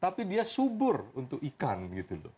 tapi dia subur untuk ikan gitu loh